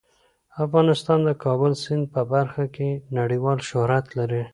افغانستان د کابل سیند په برخه کې نړیوال شهرت لري.